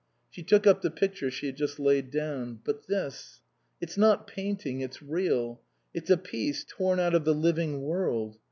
She took up the picture she had just laid down. " But this it's not painting, it's real ; it's a piece torn out of the living world.